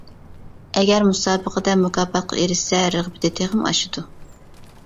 ئەگەر مۇسابىقىدە مۇكاپاتقا ئېرىشسە رىغبىتى تېخىمۇ ئاشىدۇ.